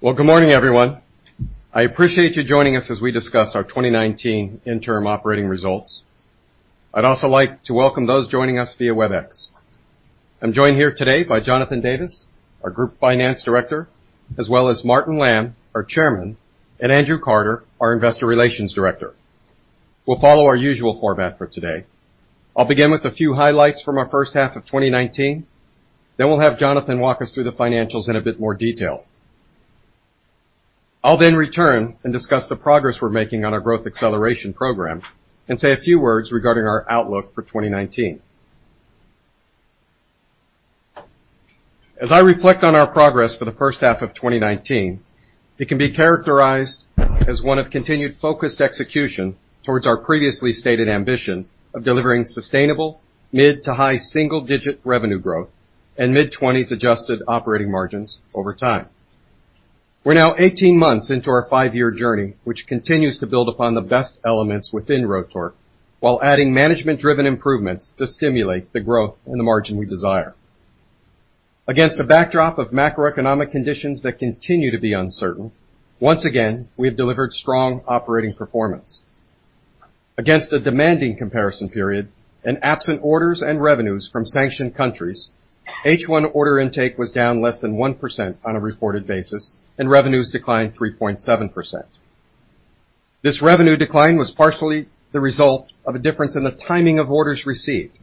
Well, good morning, everyone. I appreciate you joining us as we discuss our 2019 interim operating results. I'd also like to welcome those joining us via WebEx. I'm joined here today by Jonathan Davis, our Group Finance Director, as well as Martin Lamb, our Chairman, and Andrew Carter, our Investor Relations Director. We'll follow our usual format for today. I'll begin with a few highlights from our first half of 2019, then we'll have Jonathan walk us through the financials in a bit more detail. I'll then return and discuss the progress we're making on our Growth Acceleration Programme and say a few words regarding our outlook for 2019. As I reflect on our progress for the first half of 2019, it can be characterized as one of continued focused execution towards our previously stated ambition of delivering sustainable mid to high single-digit revenue growth and mid-20s adjusted operating margins over time. We're now 18 months into our five-year journey, which continues to build upon the best elements within Rotork while adding management-driven improvements to stimulate the growth and the margin we desire. Against a backdrop of macroeconomic conditions that continue to be uncertain, once again, we have delivered strong operating performance. Against a demanding comparison period and absent orders and revenues from sanctioned countries, H1 order intake was down less than 1% on a reported basis, and revenues declined 3.7%. This revenue decline was partially the result of a difference in the timing of orders received.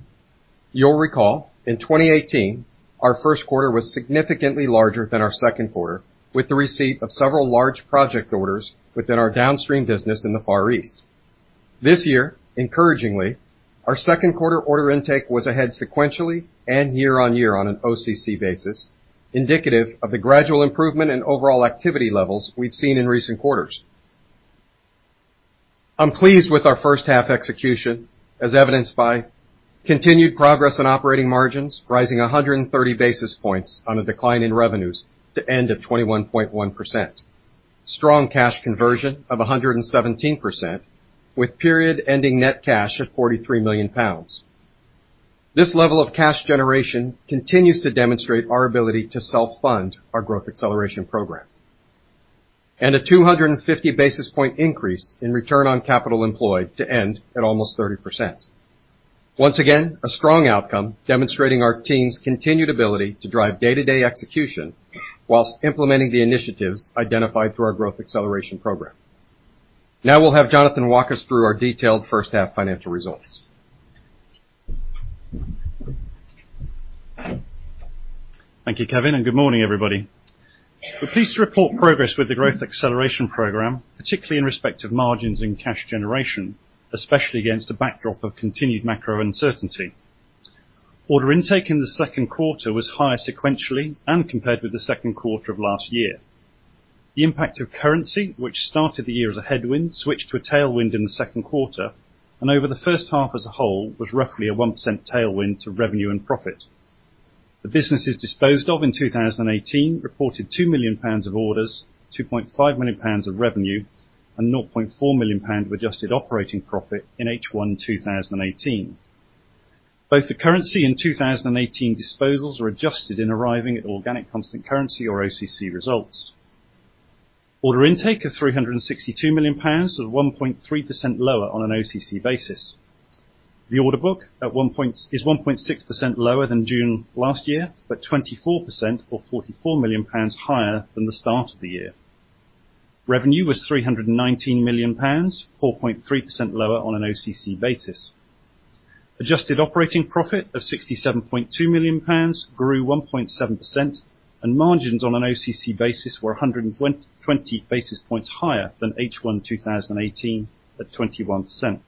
You'll recall in 2018, our first quarter was significantly larger than our second quarter, with the receipt of several large project orders within our downstream business in the Far East. This year, encouragingly, our second quarter order intake was ahead sequentially and year-on-year on an OCC basis, indicative of the gradual improvement in overall activity levels we've seen in recent quarters. I'm pleased with our first half execution, as evidenced by continued progress on operating margins rising 130 basis points on a decline in revenues to end of 21.1%. Strong cash conversion of 117%, with period ending net cash of 43 million pounds. This level of cash generation continues to demonstrate our ability to self-fund our Growth Acceleration Programme. A 250 basis point increase in return on capital employed to end at almost 30%. Once again, a strong outcome demonstrating our team's continued ability to drive day-to-day execution while implementing the initiatives identified through our Growth Acceleration Programme. We'll have Jonathan walk us through our detailed first half financial results. Thank you, Kevin. Good morning, everybody. We're pleased to report progress with the Growth Acceleration Programme, particularly in respect of margins and cash generation, especially against a backdrop of continued macro uncertainty. Order intake in the second quarter was higher sequentially and compared with the second quarter of last year. The impact of currency, which started the year as a headwind, switched to a tailwind in the second quarter, and over the first half as a whole was roughly a 1% tailwind to revenue and profit. The businesses disposed of in 2018 reported 2 million pounds of orders, 2.5 million pounds of revenue, and 0.4 million pounds of adjusted operating profit in H1 2018. Both the currency and 2018 disposals were adjusted in arriving at organic constant currency or OCC results. Order intake of 362 million pounds is 1.3% lower on an OCC basis. The order book is 1.6% lower than June last year, but 24% or £44 million higher than the start of the year. Revenue was £319 million, 4.3% lower on an OCC basis. Adjusted operating profit of £67.2 million grew 1.7%, and margins on an OCC basis were 120 basis points higher than H1 2018 at 21%.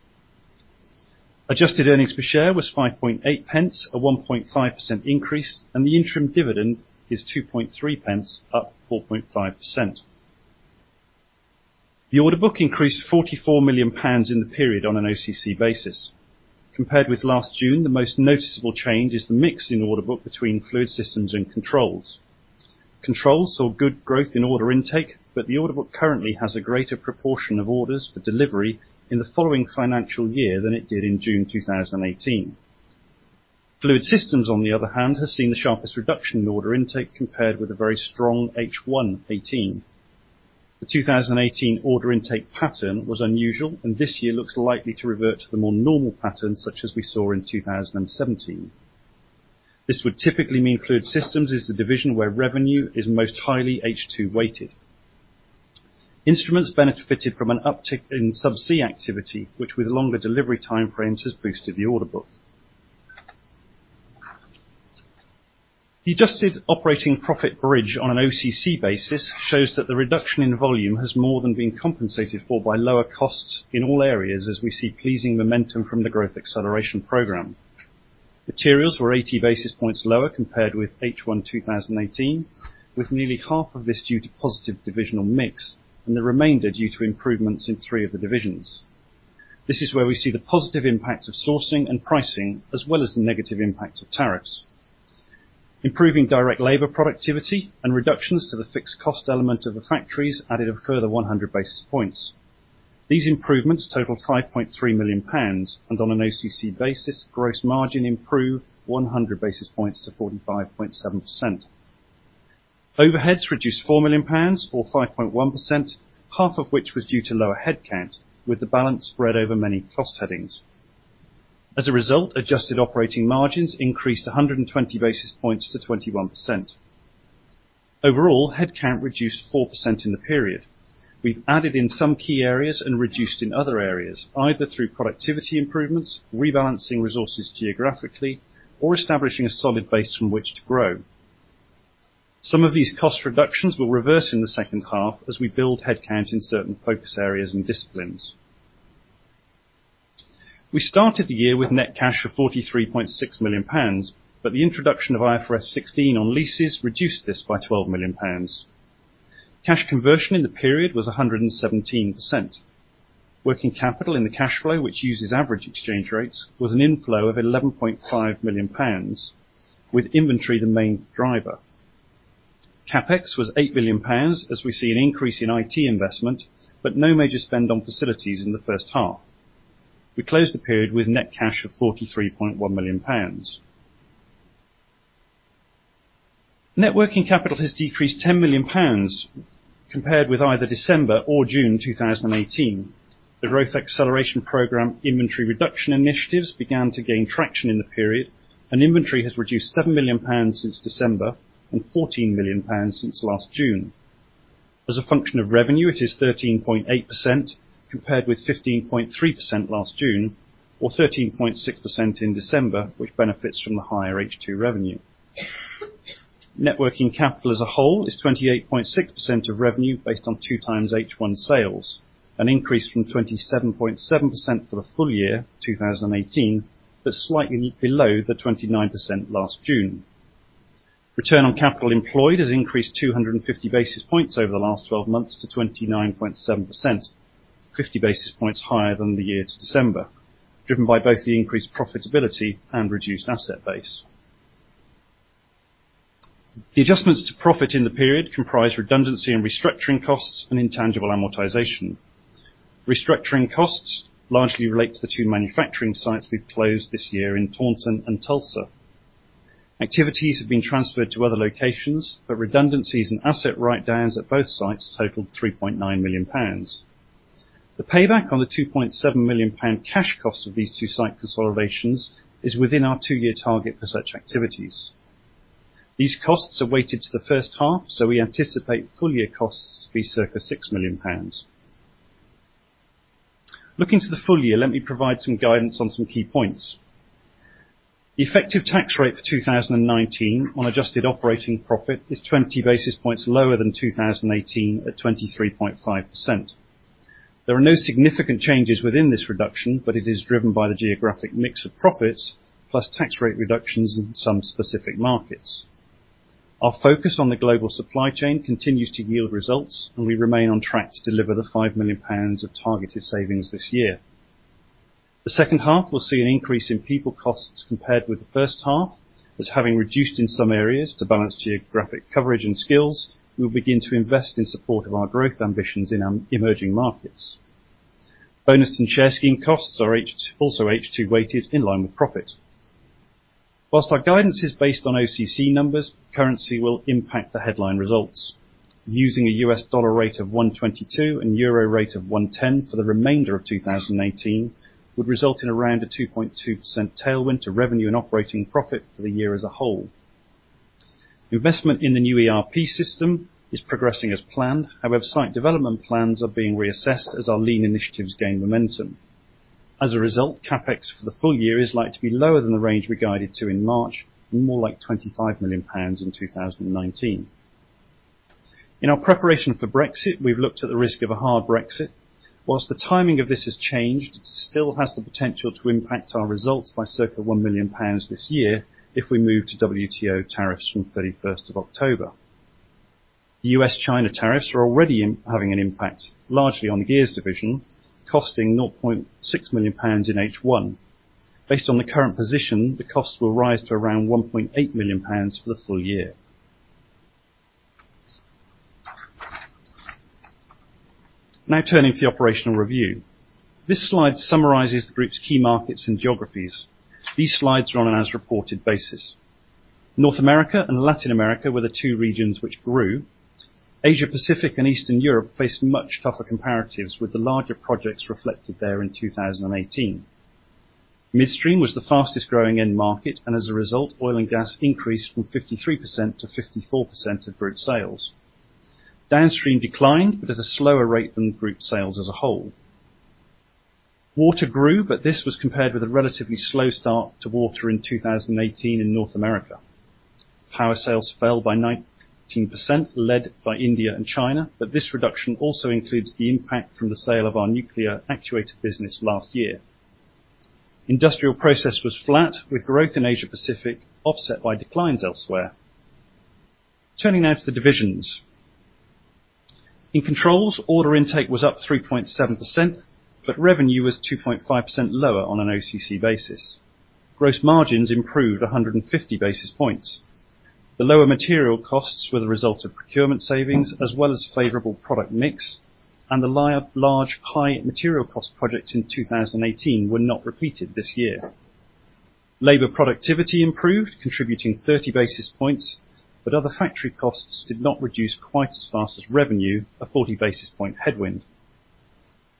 Adjusted earnings per share was £0.058, a 1.5% increase, and the interim dividend is £0.023, up 4.5%. The order book increased £44 million in the period on an OCC basis. Compared with last June, the most noticeable change is the mix in the order book between Fluid Systems and Controls. Controls saw good growth in order intake, but the order book currently has a greater proportion of orders for delivery in the following financial year than it did in June 2018. Fluid systems, on the other hand, has seen the sharpest reduction in order intake compared with a very strong H1 2018. The 2018 order intake pattern was unusual, and this year looks likely to revert to the more normal pattern such as we saw in 2017. This would typically mean fluid systems is the division where revenue is most highly H2 weighted. Instruments benefited from an uptick in subsea activity, which with longer delivery time frames has boosted the order book. The adjusted operating profit bridge on an OCC basis shows that the reduction in volume has more than been compensated for by lower costs in all areas as we see pleasing momentum from the Growth Acceleration Programme. Materials were 80 basis points lower compared with H1 2018, with nearly half of this due to positive divisional mix and the remainder due to improvements in three of the divisions. This is where we see the positive impact of sourcing and pricing, as well as the negative impact of tariffs. Improving direct labor productivity and reductions to the fixed cost element of the factories added a further 100 basis points. These improvements totaled 5.3 million pounds, and on an OCC basis, gross margin improved 100 basis points to 45.7%. Overheads reduced 4 million pounds or 5.1%, half of which was due to lower headcount, with the balance spread over many cost headings. As a result, adjusted operating margins increased 120 basis points to 21%. Overall, headcount reduced 4% in the period. We've added in some key areas and reduced in other areas, either through productivity improvements, rebalancing resources geographically, or establishing a solid base from which to grow. Some of these cost reductions will reverse in the second half as we build headcount in certain focus areas and disciplines. We started the year with net cash of 43.6 million pounds, but the introduction of IFRS 16 on leases reduced this by 12 million pounds. Cash conversion in the period was 117%. Working capital in the cash flow, which uses average exchange rates, was an inflow of 11.5 million pounds, with inventory the main driver. CapEx was 8 million pounds, as we see an increase in IT investment, but no major spend on facilities in the first half. We closed the period with net cash of 43.1 million pounds. Net working capital has decreased 10 million pounds compared with either December or June 2018. The Growth Acceleration Programme inventory reduction initiatives began to gain traction in the period, and inventory has reduced 7 million pounds since December and 14 million pounds since last June. As a function of revenue, it is 13.8% compared with 15.3% last June or 13.6% in December, which benefits from the higher H2 revenue. Net working capital as a whole is 28.6% of revenue based on two times H1 sales, an increase from 27.7% for the full year 2018, but slightly below the 29% last June. Return on capital employed has increased 250 basis points over the last 12 months to 29.7%, 50 basis points higher than the year to December, driven by both the increased profitability and reduced asset base. The adjustments to profit in the period comprise redundancy and restructuring costs, and intangible amortization. Restructuring costs largely relate to the two manufacturing sites we've closed this year in Taunton and Tulsa. Activities have been transferred to other locations, but redundancies and asset write-downs at both sites totaled 3.9 million pounds. The payback on the 2.7 million pound cash cost of these two site consolidations is within our two-year target for such activities. These costs are weighted to the first half. We anticipate full-year costs to be circa 6 million pounds. Looking to the full year, let me provide some guidance on some key points. The effective tax rate for 2019 on adjusted operating profit is 20 basis points lower than 2018 at 23.5%. There are no significant changes within this reduction, but it is driven by the geographic mix of profits plus tax rate reductions in some specific markets. Our focus on the global supply chain continues to yield results, and we remain on track to deliver the 5 million pounds of targeted savings this year. The second half will see an increase in people costs compared with the first half, as having reduced in some areas to balance geographic coverage and skills, we will begin to invest in support of our growth ambitions in our emerging markets. Bonus and share scheme costs are also H2 weighted in line with profit. Whilst our guidance is based on OCC numbers, currency will impact the headline results. Using a US dollar rate of $1.22 and euro rate of €1.10 for the remainder of 2018 would result in around a 2.2% tailwind to revenue and operating profit for the year as a whole. The investment in the new ERP system is progressing as planned. However, site development plans are being reassessed as our lean initiatives gain momentum. As a result, CapEx for the full year is likely to be lower than the range we guided to in March, and more like 25 million pounds in 2019. In our preparation for Brexit, we've looked at the risk of a hard Brexit. Whilst the timing of this has changed, it still has the potential to impact our results by circa 1 million pounds this year if we move to WTO tariffs from 31st of October. U.S.-China tariffs are already having an impact, largely on the Gears division, costing 0.6 million pounds in H1. Based on the current position, the costs will rise to around 1.8 million pounds for the full year. Turning to the operational review. This slide summarizes the group's key markets and geographies. These slides are on an as reported basis. North America and Latin America were the two regions which grew. Asia-Pacific and Eastern Europe faced much tougher comparatives with the larger projects reflected there in 2018. Midstream was the fastest-growing end market, as a result, oil and gas increased from 53% to 54% of group sales. Downstream declined, at a slower rate than group sales as a whole. Water grew, this was compared with a relatively slow start to water in 2018 in North America. Power sales fell by 19%, led by India and China, this reduction also includes the impact from the sale of our nuclear actuator business last year. Industrial process was flat with growth in Asia-Pacific offset by declines elsewhere. Turning now to the divisions. In controls, order intake was up 3.7%, revenue was 2.5% lower on an OCC basis. Gross margins improved 150 basis points. The lower material costs were the result of procurement savings as well as favorable product mix, the large high material cost projects in 2018 were not repeated this year. Labor productivity improved, contributing 30 basis points, but other factory costs did not reduce quite as fast as revenue, a 40 basis point headwind.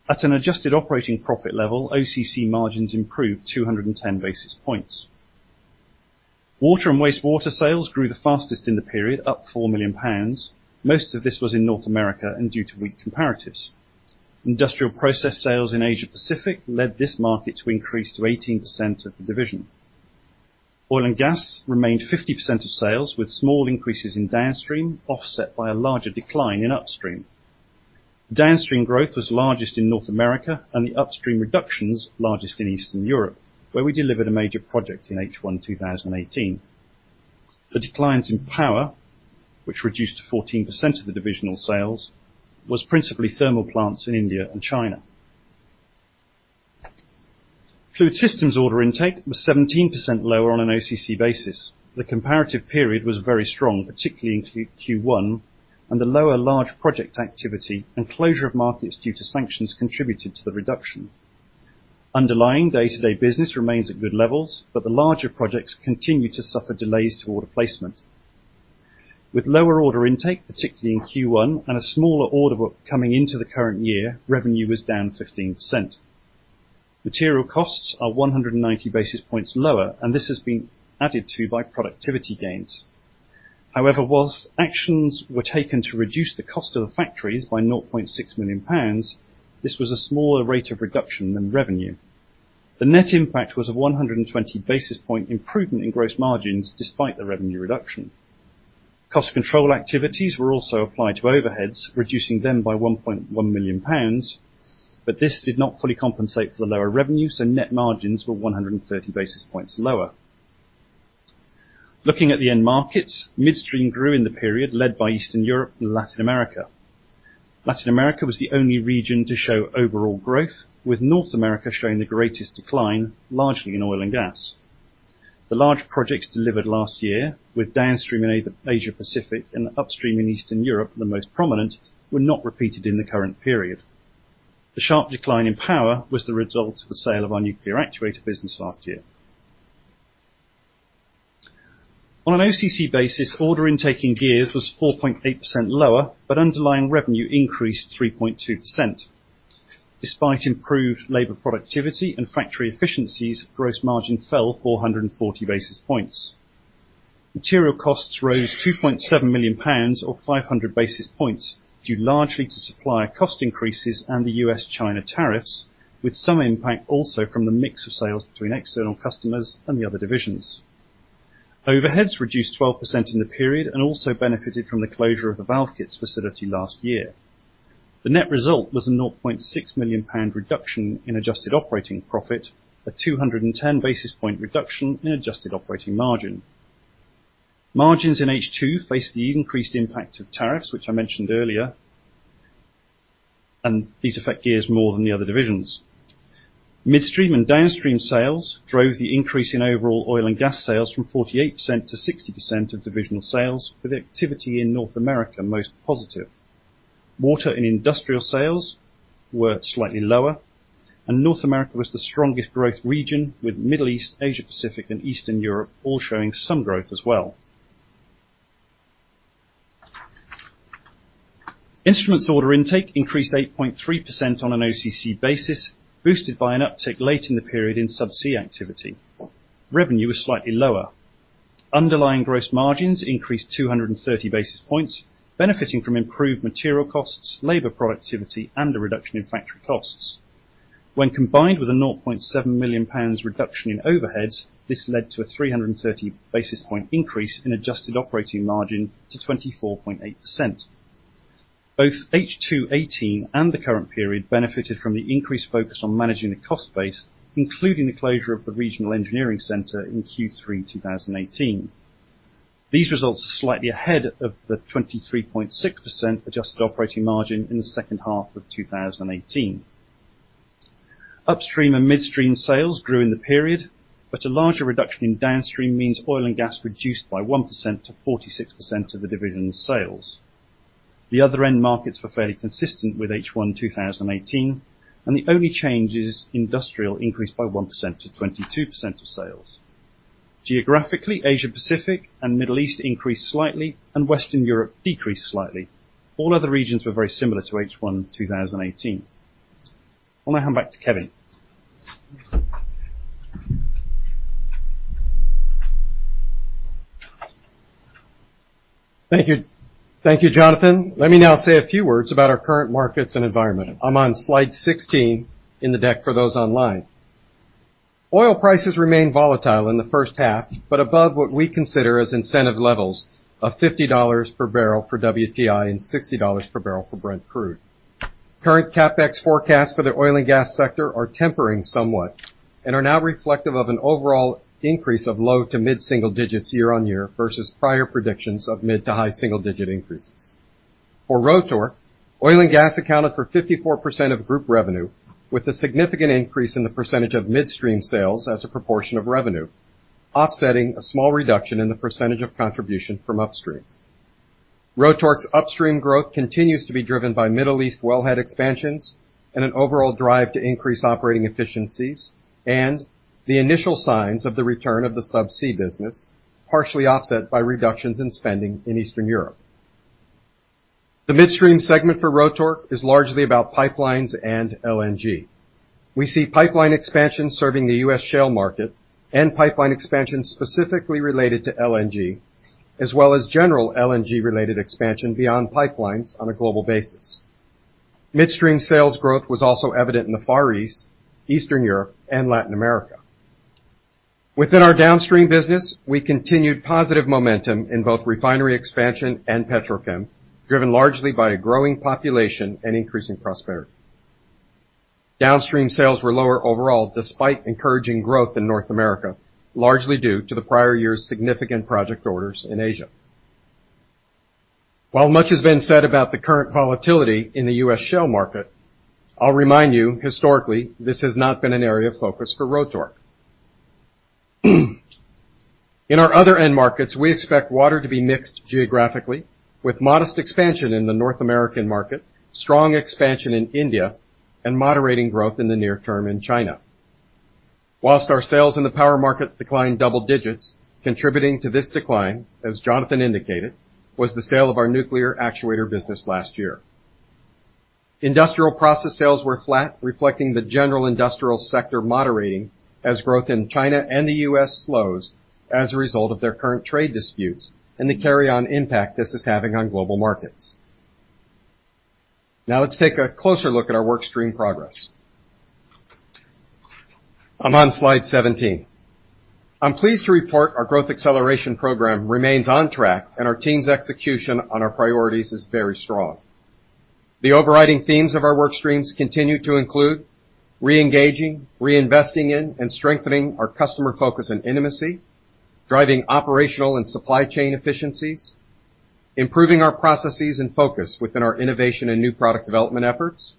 At an adjusted operating profit level, OCC margins improved 210 basis points. Water and wastewater sales grew the fastest in the period, up 4 million pounds. Most of this was in North America and due to weak comparatives. Industrial process sales in Asia Pacific led this market to increase to 18% of the division. Oil and gas remained 50% of sales, with small increases in downstream offset by a larger decline in upstream. Downstream growth was largest in North America, and the upstream reductions largest in Eastern Europe, where we delivered a major project in H1 2018. The declines in power, which reduced to 14% of the divisional sales, was principally thermal plants in India and China. Fluid systems order intake was 17% lower on an OCC basis. The comparative period was very strong, particularly in Q1, and the lower large project activity and closure of markets due to sanctions contributed to the reduction. Underlying day-to-day business remains at good levels, the larger projects continue to suffer delays to order placement. With lower order intake, particularly in Q1, and a smaller order book coming into the current year, revenue was down 15%. Material costs are 190 basis points lower, this has been added to by productivity gains. However, whilst actions were taken to reduce the cost of the factories by 0.6 million pounds, this was a smaller rate of reduction than revenue. The net impact was a 120 basis point improvement in gross margins despite the revenue reduction. Cost control activities were also applied to overheads, reducing them by 1.1 million pounds, this did not fully compensate for the lower revenue, net margins were 130 basis points lower. Looking at the end markets, midstream grew in the period led by Eastern Europe and Latin America. Latin America was the only region to show overall growth, with North America showing the greatest decline, largely in oil and gas. The large projects delivered last year, with downstream in Asia Pacific and upstream in Eastern Europe the most prominent, were not repeated in the current period. The sharp decline in power was the result of the sale of our nuclear actuator business last year. On an OCC basis, order intake in Gears was 4.8% lower, but underlying revenue increased 3.2%. Despite improved labor productivity and factory efficiencies, gross margin fell 440 basis points. Material costs rose 2.7 million pounds or 500 basis points, due largely to supplier cost increases and the U.S.-China tariffs, with some impact also from the mix of sales between external customers and the other divisions. Overheads reduced 12% in the period and also benefited from the closure of the ValveKits facility last year. The net result was a £0.6 million reduction in adjusted operating profit, a 210 basis point reduction in adjusted operating margin. Margins in H2 faced the increased impact of tariffs, which I mentioned earlier. These affect Gears more than the other divisions. Midstream and downstream sales drove the increase in overall oil and gas sales from 48% to 60% of divisional sales, with activity in North America most positive. Water and industrial sales were slightly lower. North America was the strongest growth region, with Middle East, Asia Pacific, and Eastern Europe all showing some growth as well. Instruments order intake increased 8.3% on an OCC basis, boosted by an uptick late in the period in subsea activity. Revenue was slightly lower. Underlying gross margins increased 230 basis points, benefiting from improved material costs, labor productivity, and a reduction in factory costs. When combined with a 0.7 million pounds reduction in overheads, this led to a 330 basis points increase in adjusted operating margin to 24.8%. Both H2 2018 and the current period benefited from the increased focus on managing the cost base, including the closure of the Regional Engineering Center in Q3 2018. These results are slightly ahead of the 23.6% adjusted operating margin in the second half of 2018. Upstream and midstream sales grew in the period, but a larger reduction in downstream means oil and gas reduced by 1% to 46% of the division sales. The other end markets were fairly consistent with H1 2018, and the only change is industrial increased by 1% to 22% of sales. Geographically, Asia Pacific and Middle East increased slightly, and Western Europe decreased slightly. All other regions were very similar to H1 2018. I want to hand back to Kevin. Thank you. Thank you, Jonathan. Let me now say a few words about our current markets and environment. I'm on slide 16 in the deck for those online. Oil prices remained volatile in the first half, but above what we consider as incentive levels of GBP 50 per barrel for WTI and GBP 60 per barrel for Brent Crude. Current CapEx forecasts for the oil and gas sector are tempering somewhat and are now reflective of an overall increase of low to mid-single digits year-on-year versus prior predictions of mid to high single-digit increases. For Rotork, oil and gas accounted for 54% of group revenue, with a significant increase in the percentage of midstream sales as a proportion of revenue, offsetting a small reduction in the percentage of contribution from upstream. Rotork's upstream growth continues to be driven by Middle East wellhead expansions and an overall drive to increase operating efficiencies, the initial signs of the return of the subsea business, partially offset by reductions in spending in Eastern Europe. The midstream segment for Rotork is largely about pipelines and LNG. We see pipeline expansion serving the U.S. shale market and pipeline expansion specifically related to LNG, as well as general LNG-related expansion beyond pipelines on a global basis. Midstream sales growth was also evident in the Far East, Eastern Europe, and Latin America. Within our downstream business, we continued positive momentum in both refinery expansion and petrochem, driven largely by a growing population and increasing prosperity. Downstream sales were lower overall despite encouraging growth in North America, largely due to the prior year's significant project orders in Asia. While much has been said about the current volatility in the U.S. shale market, I'll remind you historically, this has not been an area of focus for Rotork. In our other end markets, we expect water to be mixed geographically, with modest expansion in the North American market, strong expansion in India, and moderating growth in the near term in China. Whilst our sales in the power market declined double digits, contributing to this decline, as Jonathan indicated, was the sale of our nuclear actuator business last year. Industrial process sales were flat, reflecting the general industrial sector moderating as growth in China and the U.S. slows as a result of their current trade disputes and the carry-on impact this is having on global markets. Let's take a closer look at our workstream progress. I'm on slide 17. I'm pleased to report our Growth Acceleration Programme remains on track, and our team's execution on our priorities is very strong. The overriding themes of our workstreams continue to include re-engaging, reinvesting in, and strengthening our customer focus and intimacy, driving operational and supply chain efficiencies, improving our processes and focus within our innovation and new product development efforts,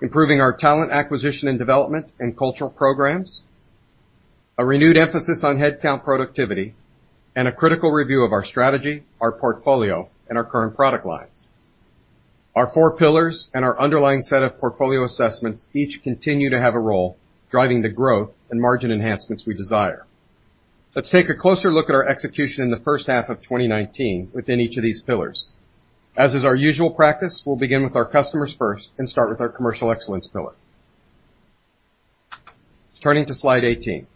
improving our talent acquisition and development and cultural programs, a renewed emphasis on headcount productivity, and a critical review of our strategy, our portfolio, and our current product lines. Our four pillars and our underlying set of portfolio assessments each continue to have a role driving the growth and margin enhancements we desire. Let's take a closer look at our execution in the first half of 2019 within each of these pillars. As is our usual practice, we'll begin with our customers first and start with our commercial excellence pillar. Turning to slide 18.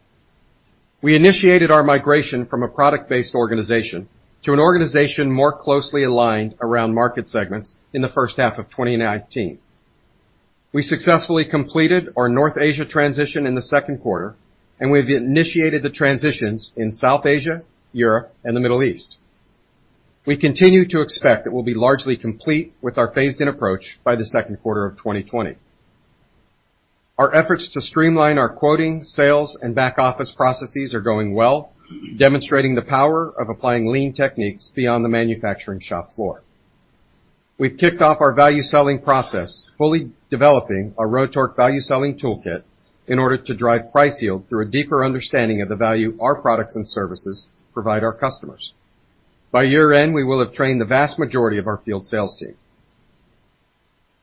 We initiated our migration from a product-based organization to an organization more closely aligned around market segments in the first half of 2019. We successfully completed our North Asia transition in the second quarter, and we've initiated the transitions in South Asia, Europe, and the Middle East. We continue to expect that we'll be largely complete with our phased-in approach by the second quarter of 2020. Our efforts to streamline our quoting, sales, and back-office processes are going well, demonstrating the power of applying lean techniques beyond the manufacturing shop floor. We've kicked off our Value-Selling Process, fully developing our Rotork Value-Selling Toolkit in order to drive price yield through a deeper understanding of the value our products and services provide our customers. By year-end, we will have trained the vast majority of our field sales team.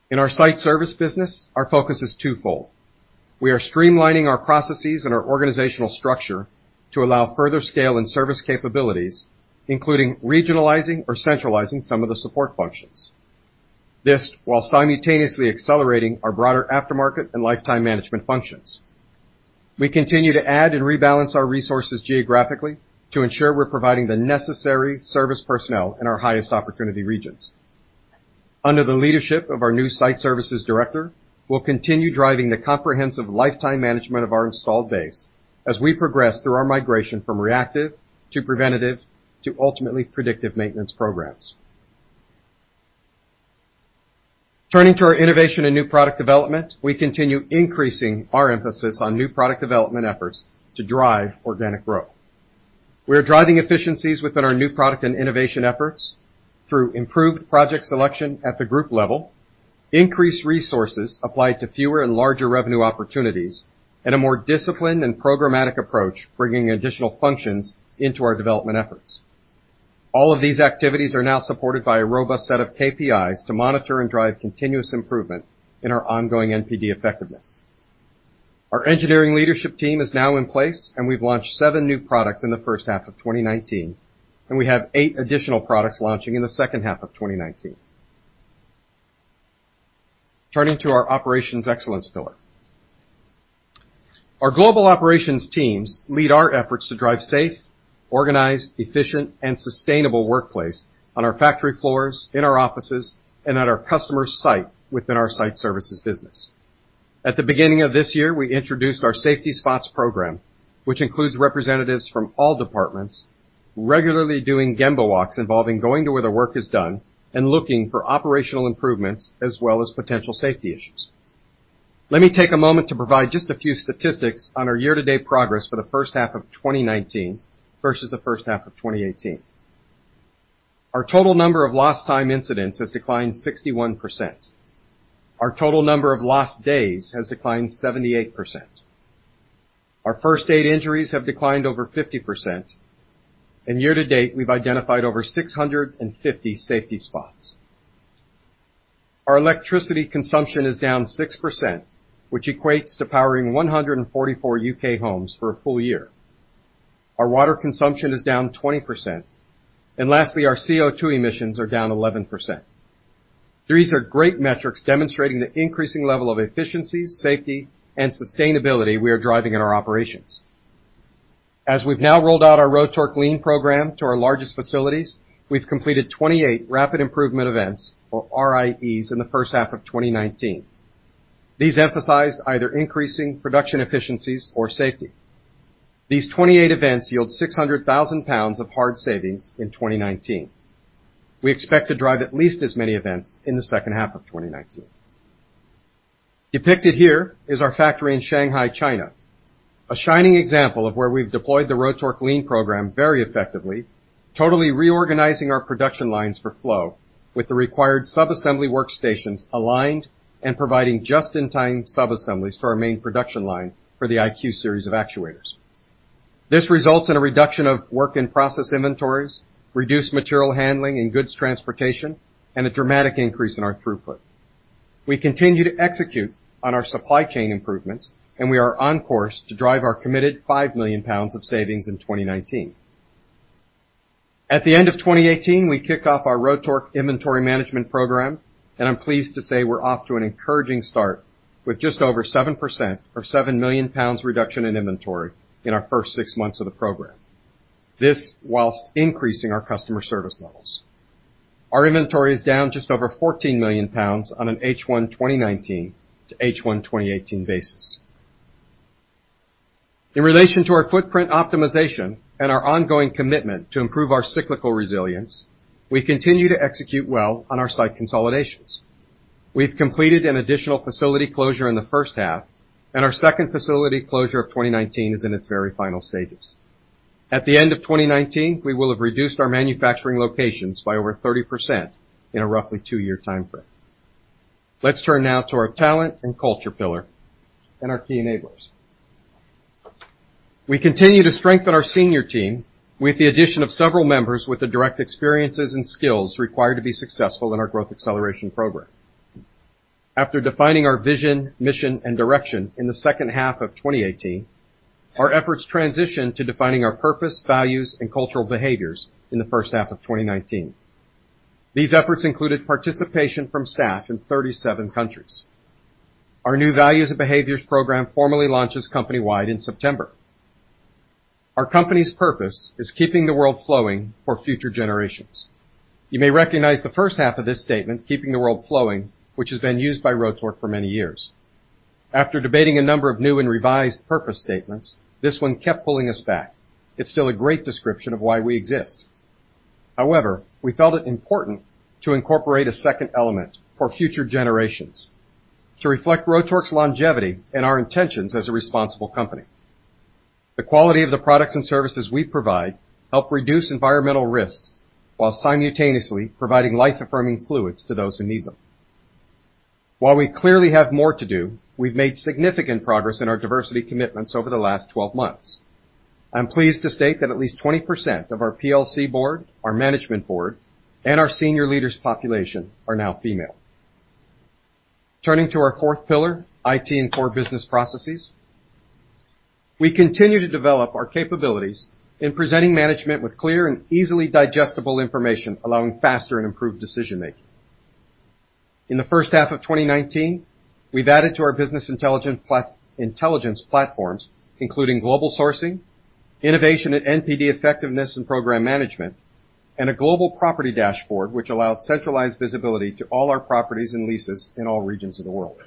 In our site service business, our focus is twofold. We are streamlining our processes and our organizational structure to allow further scale and service capabilities, including regionalizing or centralizing some of the support functions. This, while simultaneously accelerating our broader aftermarket and lifetime management functions. We continue to add and rebalance our resources geographically to ensure we're providing the necessary service personnel in our highest opportunity regions. Under the leadership of our new site services director, we'll continue driving the comprehensive lifetime management of our installed base as we progress through our migration from reactive to preventative to ultimately predictive maintenance programs. Turning to our innovation and new product development, we continue increasing our emphasis on new product development efforts to drive organic growth. We are driving efficiencies within our new product and innovation efforts through improved project selection at the group level, increased resources applied to fewer and larger revenue opportunities, and a more disciplined and programmatic approach, bringing additional functions into our development efforts. All of these activities are now supported by a robust set of KPIs to monitor and drive continuous improvement in our ongoing NPD effectiveness. Our engineering leadership team is now in place, and we've launched seven new products in the first half of 2019, and we have eight additional products launching in the second half of 2019. Turning to our operations excellence pillar. Our global operations teams lead our efforts to drive safe, organized, efficient, and sustainable workplace on our factory floors, in our offices, and at our customers' site within our site services business. At the beginning of this year, we introduced our Safety Spots program, which includes representatives from all departments regularly doing Gemba Walks involving going to where the work is done and looking for operational improvements as well as potential safety issues. Let me take a moment to provide just a few statistics on our year-to-date progress for the first half of 2019 versus the first half of 2018. Our total number of lost time incidents has declined 61%. Our total number of lost days has declined 78%. Our first-aid injuries have declined over 50%, and year to date, we've identified over 650 Safety Spots. Our electricity consumption is down 6%, which equates to powering 144 U.K. homes for a full year. Our water consumption is down 20%, and lastly, our CO2 emissions are down 11%. These are great metrics demonstrating the increasing level of efficiency, safety, and sustainability we are driving in our operations. As we've now rolled out our Rotork Lean program to our largest facilities, we've completed 28 Rapid Improvement Events, or RIEs, in the first half of 2019. These emphasized either increasing production efficiencies or safety. These 28 events yield 600,000 pounds of hard savings in 2019. We expect to drive at least as many events in the second half of 2019. Depicted here is our factory in Shanghai, China, a shining example of where we've deployed the Rotork Lean program very effectively, totally reorganizing our production lines for flow with the required sub-assembly workstations aligned and providing just-in-time sub-assemblies for our main production line for the IQ series of actuators. This results in a reduction of work in process inventories, reduced material handling and goods transportation, and a dramatic increase in our throughput. We continue to execute on our supply chain improvements. We are on course to drive our committed 5 million pounds of savings in 2019. At the end of 2018, we kick off our Rotork Inventory Management program. I'm pleased to say we're off to an encouraging start with just over 7% or 7 million pounds reduction in inventory in our first six months of the program. This while increasing our customer service levels. Our inventory is down just over 14 million pounds on an H1 2019 to H1 2018 basis. In relation to our footprint optimization and our ongoing commitment to improve our cyclical resilience, we continue to execute well on our site consolidations. We've completed an additional facility closure in the first half, and our second facility closure of 2019 is in its very final stages. At the end of 2019, we will have reduced our manufacturing locations by over 30% in a roughly two-year timeframe. Let's turn now to our talent and culture pillar and our key enablers. We continue to strengthen our senior team with the addition of several members with the direct experiences and skills required to be successful in our Growth Acceleration Program. After defining our vision, mission, and direction in the second half of 2018, our efforts transitioned to defining our purpose, values, and cultural behaviors in the first half of 2019. These efforts included participation from staff in 37 countries. Our new values and behaviors program formally launches company-wide in September. Our company's purpose is keeping the world flowing for future generations. You may recognize the first half of this statement, keeping the world flowing, which has been used by Rotork for many years. After debating a number of new and revised purpose statements, this one kept pulling us back. It's still a great description of why we exist. However, we felt it important to incorporate a second element for future generations to reflect Rotork's longevity and our intentions as a responsible company. The quality of the products and services we provide help reduce environmental risks while simultaneously providing life-affirming fluids to those who need them. While we clearly have more to do, we've made significant progress in our diversity commitments over the last 12 months. I'm pleased to state that at least 20% of our PLC board, our management board, and our senior leaders population are now female. Turning to our fourth pillar, IT and core business processes. We continue to develop our capabilities in presenting management with clear and easily digestible information, allowing faster and improved decision-making. In the first half of 2019, we've added to our business intelligence platforms, including global sourcing, innovation and NPD effectiveness and program management, and a global property dashboard which allows centralized visibility to all our properties and leases in all regions of the world.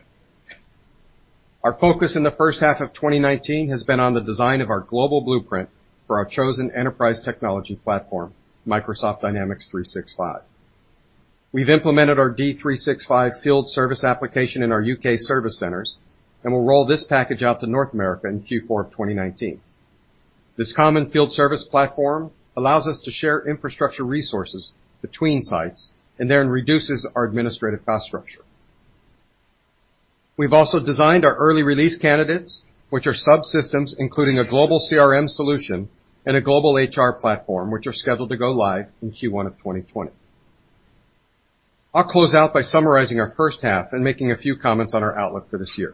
Our focus in the first half of 2019 has been on the design of our global blueprint for our chosen enterprise technology platform, Microsoft Dynamics 365. We've implemented our D365 field service application in our U.K. service centers, and we'll roll this package out to North America in Q4 of 2019. This common field service platform allows us to share infrastructure resources between sites and then reduces our administrative cost structure. We've also designed our early release candidates, which are subsystems including a global CRM solution and a global HR platform, which are scheduled to go live in Q1 of 2020. I'll close out by summarizing our first half and making a few comments on our outlook for this year.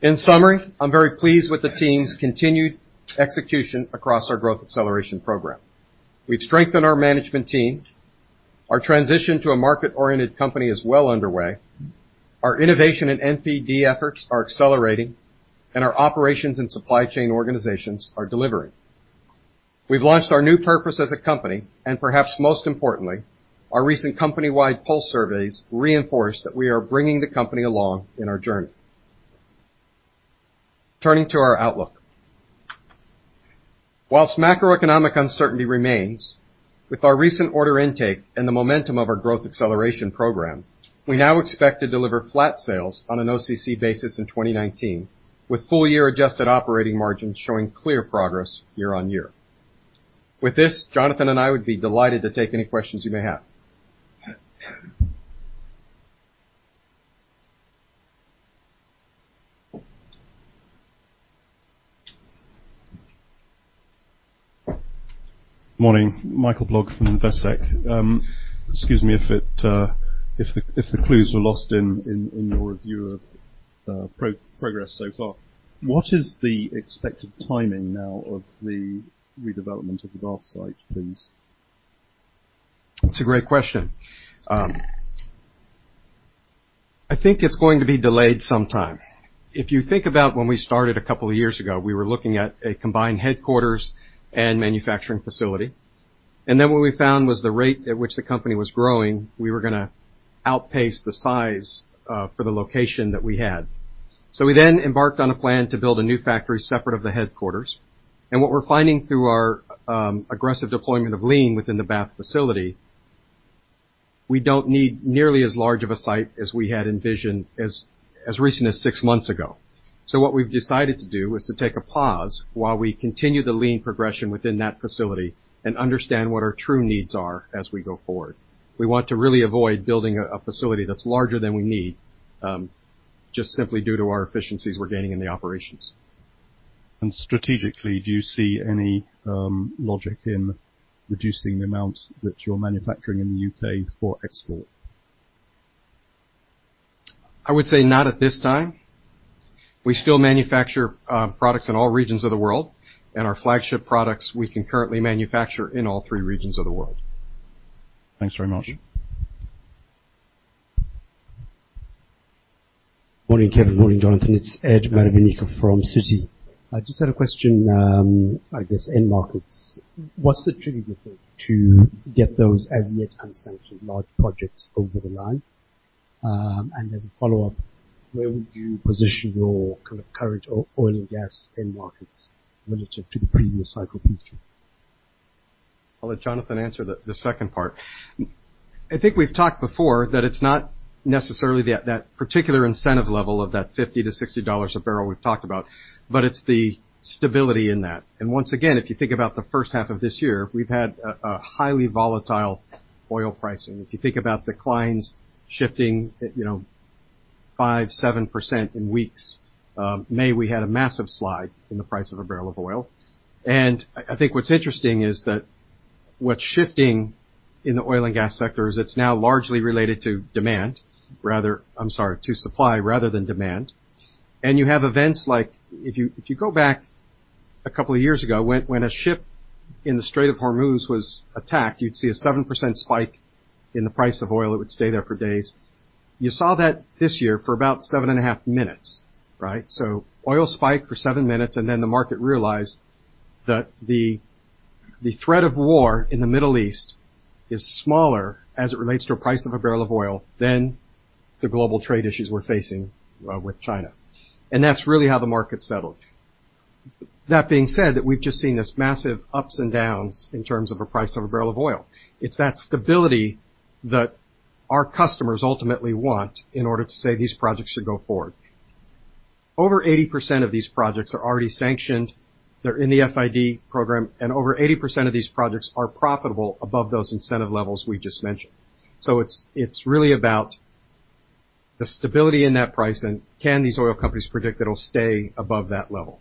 In summary, I'm very pleased with the team's continued execution across our Growth Acceleration Programme. We've strengthened our management team. Our transition to a market-oriented company is well underway. Our innovation and NPD efforts are accelerating, and our operations and supply chain organizations are delivering. We've launched our new purpose as a company, and perhaps most importantly, our recent company-wide pulse surveys reinforce that we are bringing the company along in our journey. Turning to our outlook. Whilst macroeconomic uncertainty remains, with our recent order intake and the momentum of our Growth Acceleration Programme, we now expect to deliver flat sales on an OCC basis in 2019, with full year adjusted operating margins showing clear progress year-on-year. With this, Jonathan and I would be delighted to take any questions you may have. Morning. Michael Blogg from Investec. Excuse me, if the clues were lost in your review of progress so far. What is the expected timing now of the redevelopment of the Bath site, please? That's a great question. I think it's going to be delayed sometime. If you think about when we started a couple of years ago, we were looking at a combined headquarters and manufacturing facility. What we found was the rate at which the company was growing, we were going to outpace the size for the location that we had. We then embarked on a plan to build a new factory separate of the headquarters. What we're finding through our aggressive deployment of lean within the Bath facility, we don't need nearly as large of a site as we had envisioned as recent as six months ago. What we've decided to do is to take a pause while we continue the lean progression within that facility and understand what our true needs are as we go forward. We want to really avoid building a facility that's larger than we need, just simply due to our efficiencies we're gaining in the operations. Strategically, do you see any logic in reducing the amount that you're manufacturing in the U.K. for export? I would say not at this time. We still manufacture products in all regions of the world. Our flagship products we can currently manufacture in all three regions of the world. Thanks very much. Morning, Kevin. Morning, Jonathan. It's Ed Marinkovic. I just had a question, I guess, end markets. What's the trigger, you think, to get those as-yet unsanctioned large projects over the line? As a follow-up, where would you position your kind of current oil and gas end markets relative to the previous cycle peak? I'll let Jonathan answer the second part. I think we've talked before that it's not necessarily that particular incentive level of that $50-$60 a barrel we've talked about, but it's the stability in that. Once again, if you think about the first half of this year, we've had a highly volatile oil pricing. If you think about declines shifting 5%, 7% in weeks. May, we had a massive slide in the price of a barrel of oil. I think what's interesting is that what's shifting in the oil and gas sector is it's now largely related to supply rather than demand. You have events like if you go back a couple of years ago when a ship in the Straits of Hormuz was attacked, you'd see a 7% spike in the price of oil. It would stay there for days. You saw that this year for about seven and a half minutes. Right? Oil spiked for seven minutes, and then the market realized that the threat of war in the Middle East is smaller as it relates to a price of a barrel of oil than the global trade issues we're facing with China. That's really how the market settled. That being said, that we've just seen this massive ups and downs in terms of a price of a barrel of oil. It's that stability that our customers ultimately want in order to say these projects should go forward. Over 80% of these projects are already sanctioned. They're in the FID program, and over 80% of these projects are profitable above those incentive levels we've just mentioned. It's really about the stability in that pricing. Can these oil companies predict it'll stay above that level?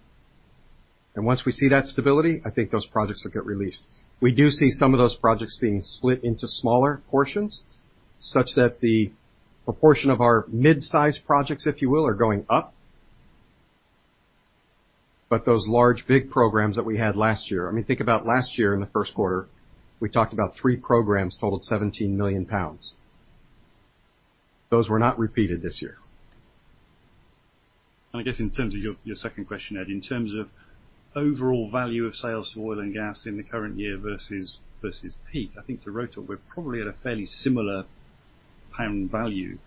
Once we see that stability, I think those projects will get released. We do see some of those projects being split into smaller portions, such that the proportion of our mid-size projects, if you will, are going up. Those large, big programs that we had last year, I mean, think about last year in the first quarter, we talked about three programs total at 17 million pounds. Those were not repeated this year. I guess in terms of your second question, Ed, in terms of overall value of sales for oil and gas in the current year versus peak, I think to Rotork, we're probably at a fairly similar pound value.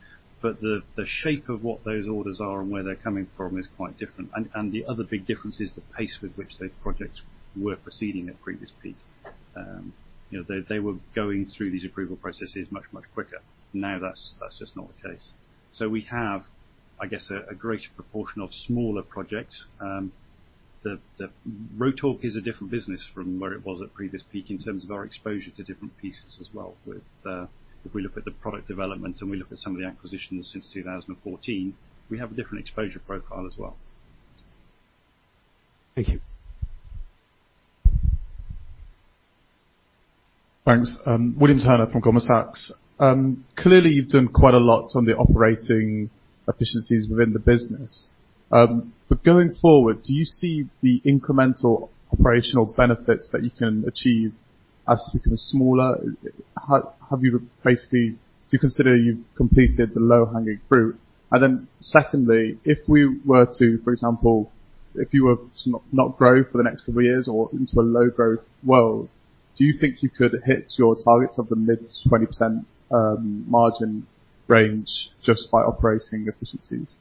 The shape of what those orders are and where they're coming from is quite different. The other big difference is the pace with which the projects were proceeding at previous peak. They were going through these approval processes much, much quicker. Now that's just not the case. We have, I guess, a greater proportion of smaller projects. Rotork is a different business from where it was at previous peak in terms of our exposure to different pieces as well. If we look at the product development and we look at some of the acquisitions since 2014, we have a different exposure profile as well. Thank you. Thanks. William Turner from Goldman Sachs. Clearly, you've done quite a lot on the operating efficiencies within the business. But going forward, do you see the incremental operational benefits that you can achieve as becoming smaller? Have you do you consider you've completed the low-hanging fruit? Secondly, if we were to, for example, if you were to not grow for the next couple of years or into a low growth world, do you think you could hit your targets of the mid 20% margin range just by operating efficiencies?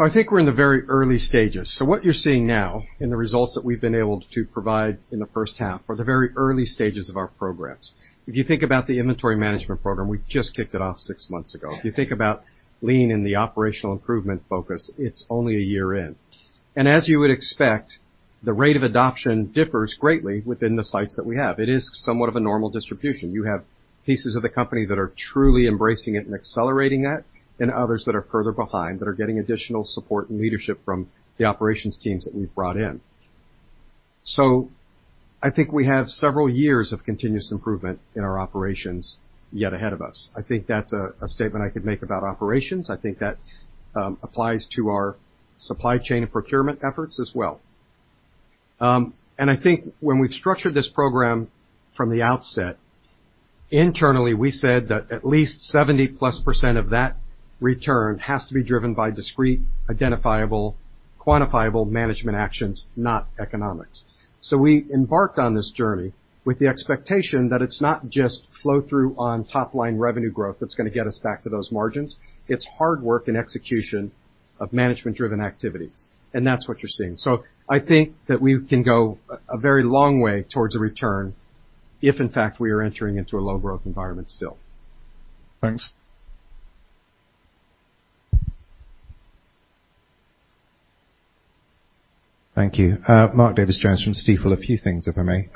I think we're in the very early stages. What you're seeing now in the results that we've been able to provide in the first half are the very early stages of our programs. If you think about the Rotork Inventory Management program, we just kicked it off six months ago. If you think about Rotork Lean and the operational improvement focus, it's only a year in. As you would expect, the rate of adoption differs greatly within the sites that we have. It is somewhat of a normal distribution. You have pieces of the company that are truly embracing it and accelerating it, and others that are further behind that are getting additional support and leadership from the operations teams that we've brought in. I think we have several years of continuous improvement in our operations yet ahead of us. I think that's a statement I could make about operations. I think that applies to our supply chain and procurement efforts as well. I think when we've structured this program from the outset, internally, we said that at least 70-plus% of that return has to be driven by discrete, identifiable, quantifiable management actions, not economics. We embarked on this journey with the expectation that it's not just flow-through on top-line revenue growth that's going to get us back to those margins. It's hard work and execution of management-driven activities, and that's what you're seeing. I think that we can go a very long way towards a return if in fact, we are entering into a low-growth environment still. Thanks. Thank you. Mark Davies-Jones from Stifel. A few things, if I may.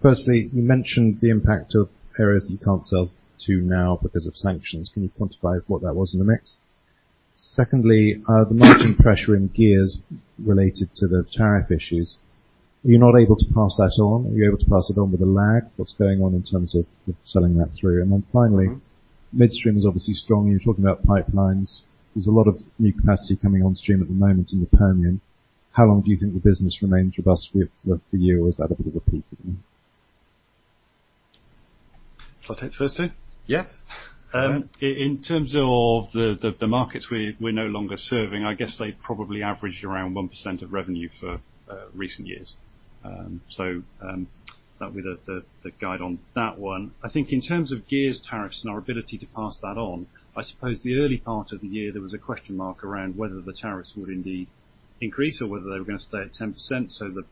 Firstly, you mentioned the impact of areas that you can't sell to now because of sanctions. Can you quantify what that was in the mix? Secondly, the margin pressure in gears related to the tariff issues, are you not able to pass that on? Are you able to pass it on with a lag? What's going on in terms of selling that through? Finally, midstream is obviously strong. You're talking about pipelines. There's a lot of new capacity coming on stream at the moment in the Permian. How long do you think the business remains robust with for you, or is that a bit of a peak? Shall I take the first two? Yeah. In terms of the markets we're no longer serving, I guess they probably average around 1% of revenue for recent years. That'll be the guide on that one. I think in terms of gears, tariffs, and our ability to pass that on, I suppose the early part of the year, there was a question mark around whether the tariffs would indeed increase or whether they were going to stay at 10%.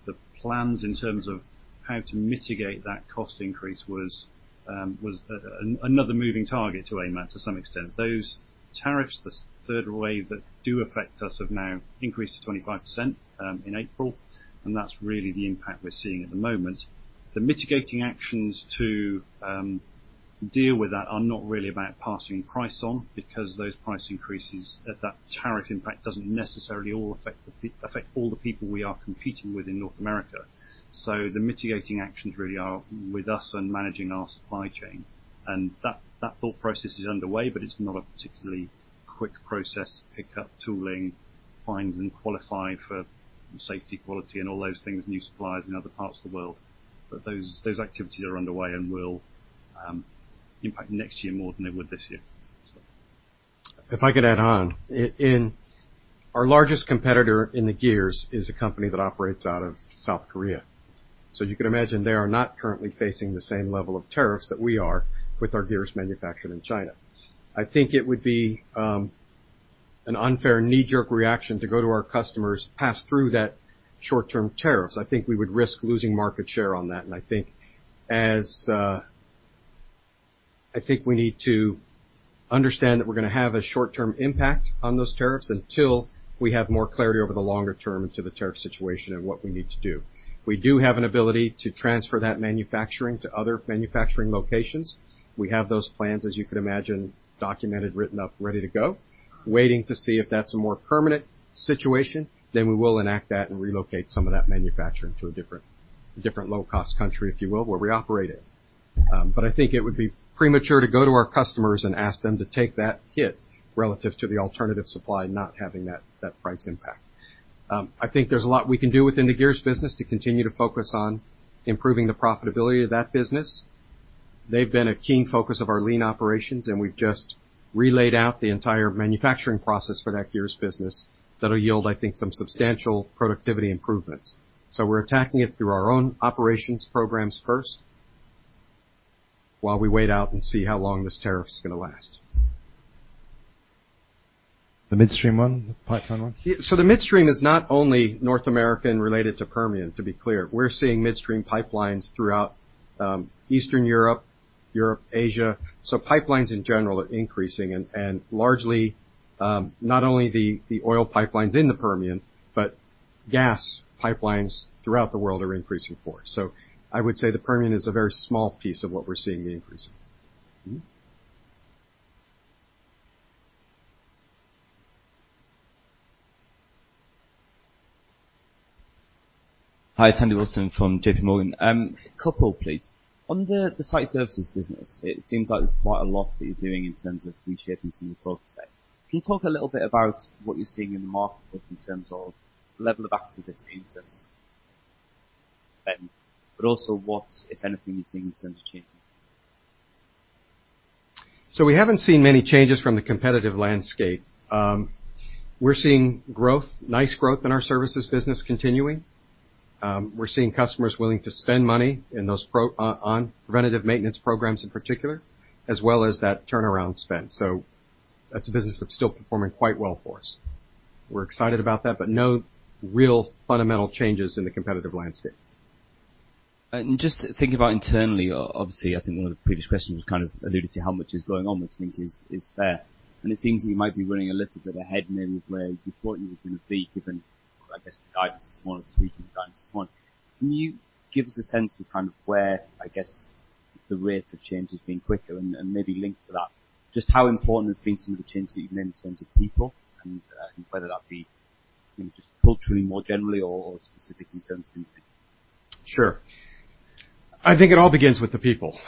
The plans in terms of how to mitigate that cost increase was another moving target to aim at to some extent. Those tariffs, the third wave that do affect us have now increased to 25% in April, and that's really the impact we're seeing at the moment. The mitigating actions to deal with that are not really about passing price on because those price increases at that tariff impact doesn't necessarily affect all the people we are competing with in North America. The mitigating actions really are with us and managing our supply chain. That thought process is underway, but it's not a particularly quick process to pick up tooling, find and qualify for safety, quality and all those things, new suppliers in other parts of the world. Those activities are underway and will impact next year more than they would this year. If I could add on. Our largest competitor in the gears is a company that operates out of South Korea. You can imagine they are not currently facing the same level of tariffs that we are with our gears manufactured in China. I think it would be an unfair knee-jerk reaction to go to our customers, pass through that short-term tariffs. I think we would risk losing market share on that. I think we need to understand that we're going to have a short-term impact on those tariffs until we have more clarity over the longer term into the tariff situation and what we need to do. We do have an ability to transfer that manufacturing to other manufacturing locations. We have those plans, as you could imagine, documented, written up, ready to go. Waiting to see if that's a more permanent situation, then we will enact that and relocate some of that manufacturing to a different low-cost country, if you will, where we operate in. I think it would be premature to go to our customers and ask them to take that hit relative to the alternative supply not having that price impact. I think there's a lot we can do within the gears business to continue to focus on improving the profitability of that business. They've been a key focus of our Rotork Lean, and we've just relayed out the entire manufacturing process for that gears business that'll yield, I think, some substantial productivity improvements. We're attacking it through our own operations programs first while we wait out and see how long this tariff is going to last. The midstream one, the pipeline one. The midstream is not only North American related to Permian, to be clear. We're seeing midstream pipelines throughout Eastern Europe, Asia. Pipelines in general are increasing, and largely not only the oil pipelines in the Permian, but gas pipelines throughout the world are increasing for us. I would say the Permian is a very small piece of what we're seeing the increase in. Hi, Sandy Wilson from J.P. Morgan. A couple, please. On the site services business, it seems like there's quite a lot that you're doing in terms of reshaping some of the focus there. Can you talk a little bit about what you're seeing in the market in terms of level of activity in terms of spend, but also what, if anything, you're seeing in terms of changes? We haven't seen many changes from the competitive landscape. We're seeing nice growth in our services business continuing. We're seeing customers willing to spend money on preventative maintenance programs in particular, as well as that turnaround spend. That's a business that's still performing quite well for us. We're excited about that, but no real fundamental changes in the competitive landscape. Just thinking about internally, obviously, I think one of the previous questions kind of alluded to how much is going on, which I think is fair. It seems you might be running a little bit ahead maybe where you thought you were going to be given, I guess, the guidance at the start of 2021. Can you give us a sense of kind of where, I guess, the rate of change has been quicker and maybe link to that? Just how important has been some of the changes that you've made in terms of people and whether that be just culturally more generally or specific in terms of new business? Sure. I think it all begins with the people.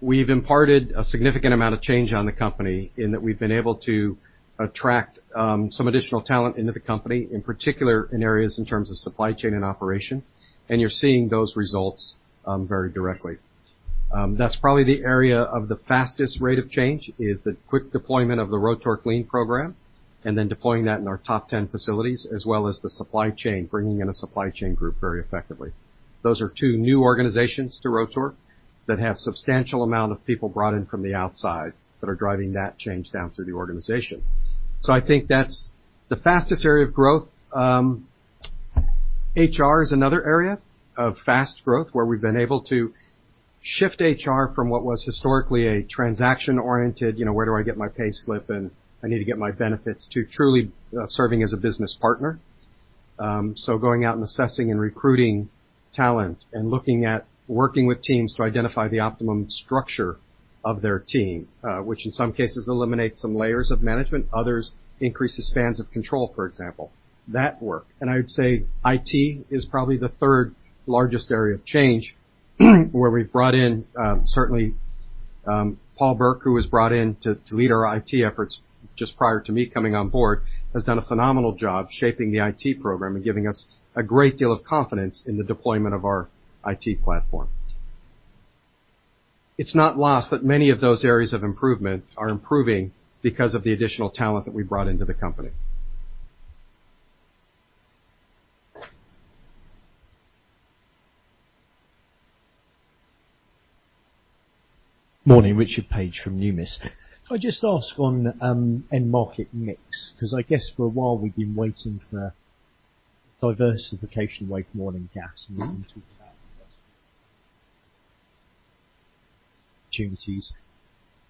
We've imparted a significant amount of change on the company in that we've been able to attract some additional talent into the company, in particular in areas in terms of supply chain and operation. You're seeing those results very directly. That's probably the area of the fastest rate of change is the quick deployment of the Rotork Lean program. Deploying that in our top 10 facilities as well as the supply chain, bringing in a supply chain group very effectively. Those are two new organizations to Rotork that have substantial amount of people brought in from the outside that are driving that change down through the organization. I think that's the fastest area of growth. HR is another area of fast growth where we've been able to shift HR from what was historically a transaction-oriented, where do I get my pay slip and I need to get my benefits, to truly serving as a business partner. Going out and assessing and recruiting talent and looking at working with teams to identify the optimum structure of their team, which in some cases eliminates some layers of management, others increases spans of control, for example. That worked. I would say IT is probably the third-largest area of change where we've brought in, certainly Paul Burke, who was brought in to lead our IT efforts just prior to me coming on board, has done a phenomenal job shaping the IT program and giving us a great deal of confidence in the deployment of our IT platform. It's not lost that many of those areas of improvement are improving because of the additional talent that we brought into the company. Morning, Richard Page from Numis. Can I just ask on end market mix? I guess for a while we've been waiting for diversification away from oil and gas, and you talked about opportunities.